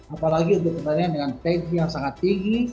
apalagi untuk pertandingan dengan tensi yang sangat tinggi